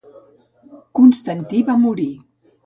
Constantí va morir.